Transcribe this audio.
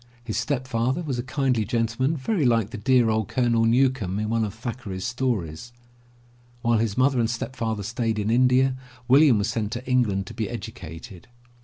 His step father was a kindly gentleman very like the dear old Colonel Newcome in one of Thackeray's stories. While his mother and stepfather stayed in India, William was sent to England to be educated.